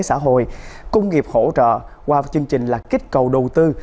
xã hội công nghiệp hỗ trợ qua chương trình là kích cầu đầu tư